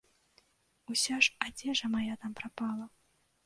Уся ж адзежа мая там прапала.